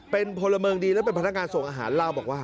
เป็นพลเมืองดีและเป็นพนักงานส่งอาหารเล่าบอกว่า